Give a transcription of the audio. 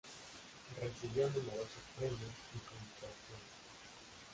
Recibió numerosos premios y condecoraciones.